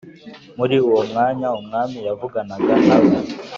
Muri uwo mwanya umwami yavuganaga nawe